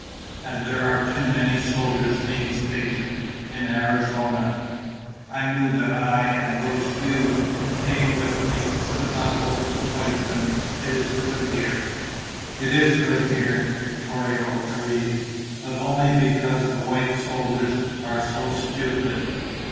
And there are too many soldiers being stationed in Arizona. I knew that I and those few who came with me could not hope to fight them. It is good here." "It is good here," Victorio agreed. "But only because the white soldiers are so stupid.